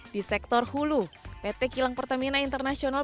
di sektor hulu pt kilang pertamina internasional